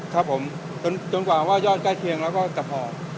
ครับผมจนกว่าว่ายอดใกล้เคียงแล้วก็จะพอ